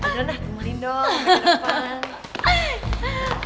aduh nah kemari dong